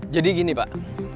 jadi gini pak